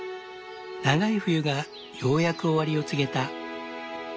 長い冬がようやく終わりを告げた。